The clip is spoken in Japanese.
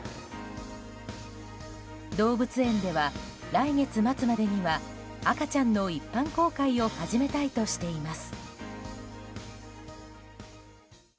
動物園では来月末までには赤ちゃんの一般公開を始めたいとしています。